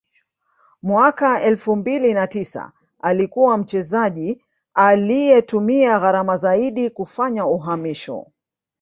mwaka elfu mbili na tisa alikuwa mchezaji aliye tumia gharama zaidi kufanya uhamisho